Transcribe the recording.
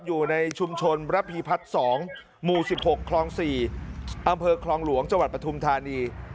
อยู่ในชุมชนระพีพัดสองหมู่สิบหกคล้องสี่อำเภอคลองหลวงจังหวัดประทุมธานี